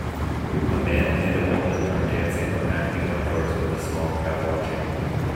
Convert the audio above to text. A man and a woman are dancing or acting outdoors with a small crowd watching.